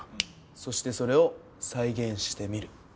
そしてそれを再現してみる。